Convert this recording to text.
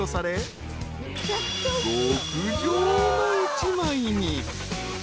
［極上の１枚に］